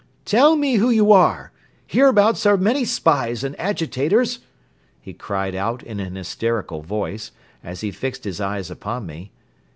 "Tell me who you are! Hereabouts are many spies and agitators," he cried out in an hysterical voice, as he fixed his eyes upon me.